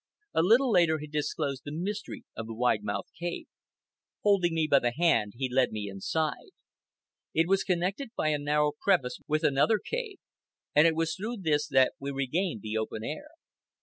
A little later he disclosed the mystery of the wide mouthed cave. Holding me by the hand he led me inside. It connected by a narrow crevice with another cave, and it was through this that we regained the open air.